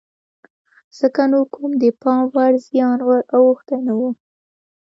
ځکه نو کوم د پام وړ زیان ور اوښتی نه و.